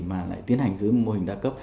mà lại tiến hành dưới mô hình đa cấp